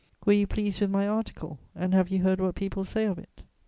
"Were you pleased with my article, and have you heard what people say of it?"